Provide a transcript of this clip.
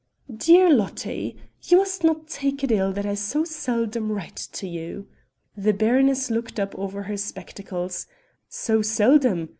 "Dear Lotti, you must not take it ill that I so seldom write to you" the baroness looked up over her spectacles "so seldom!...